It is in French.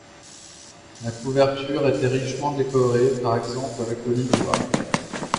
La couverture était richement décorée, par exemple avec de l'ivoire.